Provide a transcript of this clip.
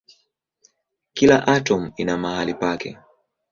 Kila atomu ina mahali pake.